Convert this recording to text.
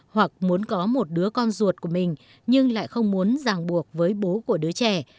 hoặc muốn có một đứa con ruột của mình nhưng lại không muốn ràng buộc với bố của đứa trẻ